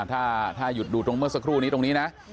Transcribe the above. ถ้าหยุดดูตรงเมื่อสักครู่นี้ตรงนี้นะ